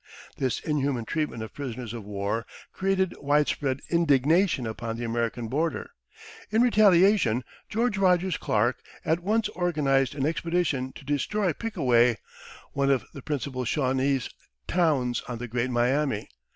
This inhuman treatment of prisoners of war created wide spread indignation upon the American border. In retaliation, George Rogers Clark at once organized an expedition to destroy Pickaway, one of the principal Shawnese towns on the Great Miami.